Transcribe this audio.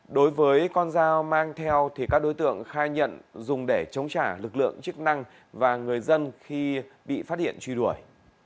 đối với con dao mang theo thì các đối tượng khai nhận dùng để chống trả lực lượng chức năng và người dân khi bị phát hiện truy đuổi